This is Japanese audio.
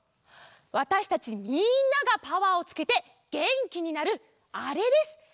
わたしたちみんながパワーをつけてげんきになるあれです。